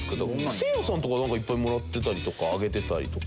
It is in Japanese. せいやさんとかなんかいっぱいもらってたりとかあげてたりとか。